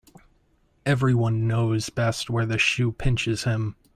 Every one knows best where the shoe pinches him.